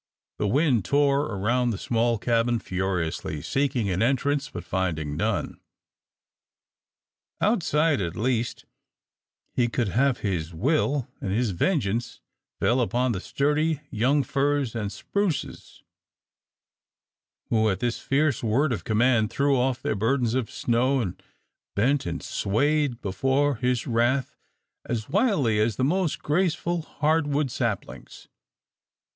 The wind tore around the small cabin, furiously seeking an entrance, but finding none. Outside at least he could have his will, and his vengeance fell upon the sturdy young firs and spruces, who at his fierce word of command threw off their burdens of snow, and bent and swayed before his wrath as wildly as the most graceful hardwood saplings.